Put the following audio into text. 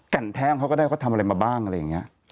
่นแท้งเขาก็ได้เขาทำอะไรมาบ้างอะไรอย่างนี้